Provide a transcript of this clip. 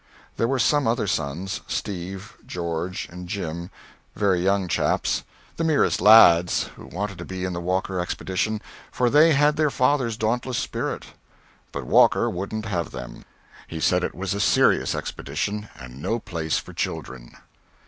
There were some other sons: Steve, George, and Jim, very young chaps the merest lads who wanted to be in the Walker expedition, for they had their father's dauntless spirit. But Walker wouldn't have them; he said it was a serious expedition, and no place for children.